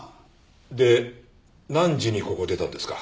で何時にここを出たんですか？